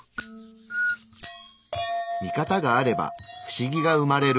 ミカタがあればフシギが生まれる。